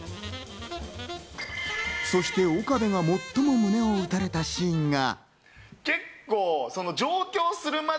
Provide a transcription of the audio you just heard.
そして岡部が最も胸をうたれたシーンが。